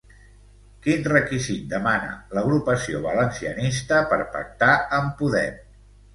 Quin requisit demana l'agrupació valencianista per pactar amb Podem?